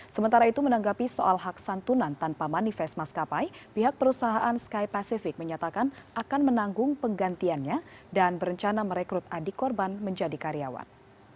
sementara itu menanggapi soal hak santunan tanpa manifest maskapai pihak perusahaan sky pacific menyatakan akan menanggung penggantiannya dan berencana merekrut adik korban menjadi karyawan